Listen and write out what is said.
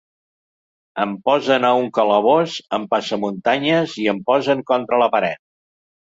Em posen a un calabós amb passamuntanyes i em posen contra la paret.